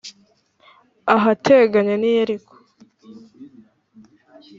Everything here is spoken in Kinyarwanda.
ahateganye n’i Yeriko.